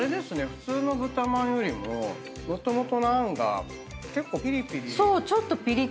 普通の豚まんよりももともとの餡が結構ピリピリ。